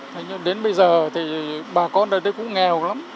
thế nhưng đến bây giờ thì bà con ở đây cũng nghèo lắm